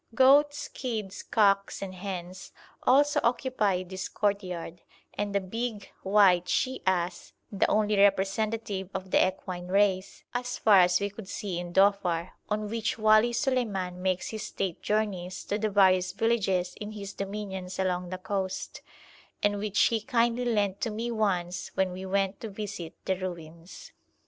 Goats, kids, cocks, and hens, also occupied this courtyard, and the big, white she ass, the only representative of the equine race as far as we could see in Dhofar, on which Wali Suleiman makes his state journeys to the various villages in his dominions along the coast, and which he kindly lent to me once when we went to visit the ruins.